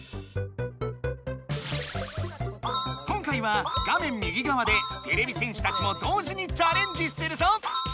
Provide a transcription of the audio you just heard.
今回は画面右がわでてれび戦士たちも同時にチャレンジするぞ！